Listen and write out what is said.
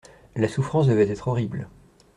La souffrance devait être horrible.